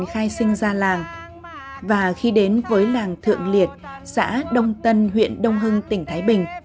khai sinh ra làng và khi đến với làng thượng liệt xã đông tân huyện đông hưng tỉnh thái bình